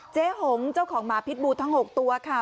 เจ๊หงเจ้าของหมาภิกษ์บูททั้งหกตัวค่ะ